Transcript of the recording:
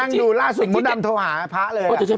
ถ้าเกิดมีอะไรติดใจสงสัย